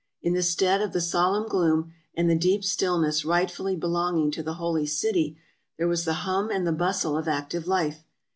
In the stead of the solemn gloom and the deep stillness rightfully belonging to the Holy City, there was the hum and the bustle of active life.